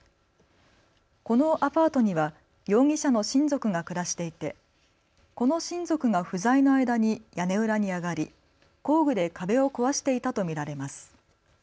このアパートには容疑者の親族が暮らしていてこの親族が不在の間に屋根裏に上がり工具で壁を壊していたと見られます。